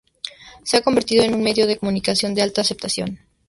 Se ha convertido en un medio de comunicación de alta aceptación.